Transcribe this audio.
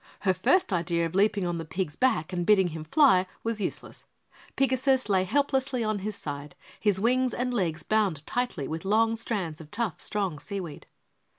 Her first idea of leaping on the pig's back and bidding him fly was useless. Pigasus lay helplessly on his side, his wings and legs bound tightly with long strands of tough, strong seaweed.